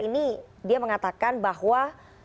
ini dia mengatakan bahwa